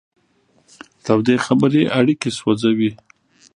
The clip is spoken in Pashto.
تودې خبرې اړیکې سوځوي.